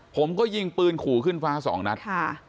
ผมก็ยิงปืนขู่ขึ้นฟ้าสองนัด